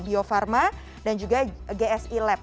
bio farma dan juga gsi lab